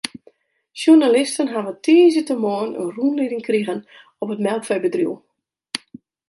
Sjoernalisten hawwe tiisdeitemoarn in rûnlieding krigen op it melkfeebedriuw.